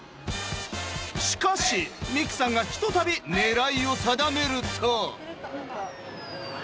しかし美紅さんが一たび狙いを定めると。